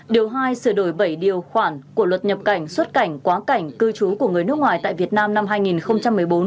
điều hai sửa đổi bảy điều khoản của luật nhập cảnh xuất cảnh quá cảnh cư trú của người nước ngoài tại việt nam năm hai nghìn một mươi bốn